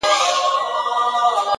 حمزه شینواری زموږ په زمانه کې